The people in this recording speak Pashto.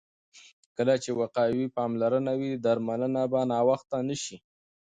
کله چې وقایوي پاملرنه وي، درملنه به ناوخته نه شي.